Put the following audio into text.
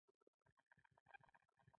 سلام اچول سنت او جواب یې واجب دی